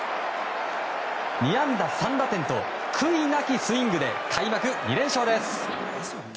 ２安打３打点と悔いなきスイングで開幕２連勝です。